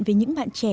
với những bạn trẻ